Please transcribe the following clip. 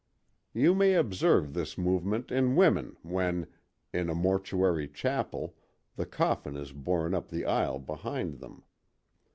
You may observe this movement in women when, in a mortuary chapel, the coffin is borne up the aisle behind them.